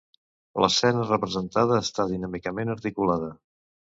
L'escena representada està dinàmicament articulada.